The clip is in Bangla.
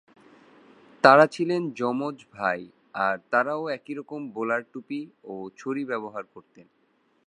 তারা ছিলেন যমজ ভাই আর তারাও একইরকম বোলার টুপি ও ছড়ি ব্যবহার করতেন।